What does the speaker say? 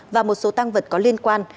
và một số tăng vật có liên quan